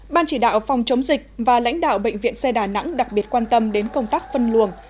ban chỉ đạo phòng chống dịch và lãnh đạo bệnh viện xe đà nẵng đặc biệt quan tâm đến công tác phân luồng